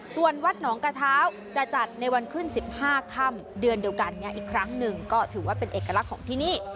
ส่วนวัดหนองกระเท้าจะจัดในวันขึ้น๑๕ค่ำเดือนเดียวกันอีกครั้งหนึ่งก็ถือว่าเป็นเอกลักษณ์ของที่นี่